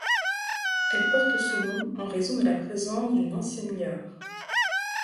Elle porte ce nom en raison de la présence d'une ancienne gare.